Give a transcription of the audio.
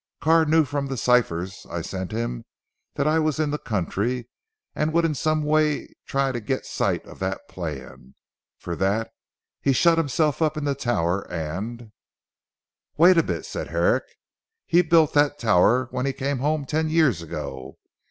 Carr knew from the ciphers I sent him that I was in the country and would in some way try to get a sight of that plan. For that, he shut himself up in the tower, and" "Wait a bit," said Herrick, "he built that tower when he came home ten years ago.